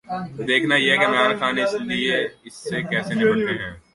دیکھنا یہ ہے کہ عمران خان اس سے کیسے نمٹتے ہیں۔